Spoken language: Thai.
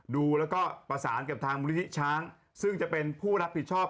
ดูแล้วก็ประสานกับทางมูลนิธิช้างซึ่งจะเป็นผู้รับผิดชอบ